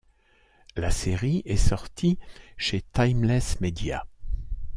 La série est sortie chez Timeless Media.